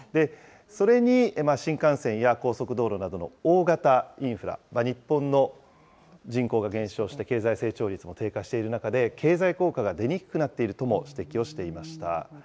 それに新幹線や高速道路などの大型インフラ、日本の人口が減少して、経済成長率も低下している中で、経済効果が出にくくなっているとも指摘をしていました。